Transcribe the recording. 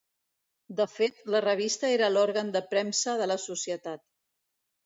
De fet, la revista era l'òrgan de premsa de la societat.